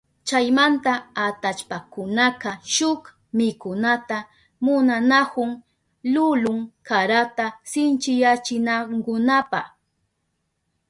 Chaymanta atallpakunaka shuk mikunata munanahun lulun karata sinchiyachinankunapa.